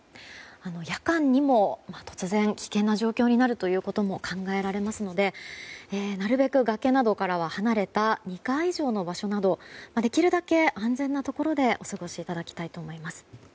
夜間にも突然危険な状況になるということも考えられますのでなるべく崖などからは離れた２階以上の場所などできるだけ安全なところでお過ごしいただきたいと思います。